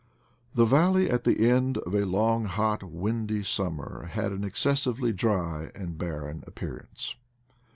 The valley at the end of a long hot windy sum mer had an excessively dry and barren appear ance.